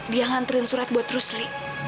dia nganterin surat buat rusli